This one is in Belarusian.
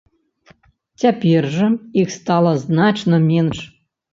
Цяпер жа іх стала значна менш.